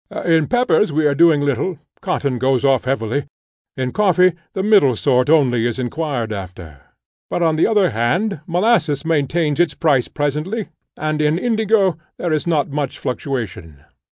In peppers we are doing little; cotton goes off heavily; in coffee, the middle sort only is inquired after: but on the other hand molasses maintain their price pleasantly; and in indigo there is not much fluctuation.